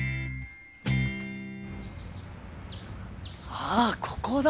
あっここだ！